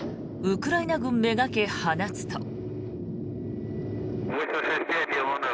ウクライナ軍めがけ放つと。